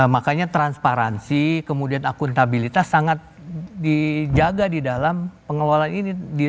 makanya transparansi kemudian akuntabilitas sangat dijaga di dalam pengelolaan ini